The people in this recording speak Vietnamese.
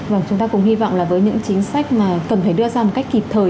vâng chúng ta cùng hy vọng là với những chính sách mà cần phải đưa ra một cách kịp thời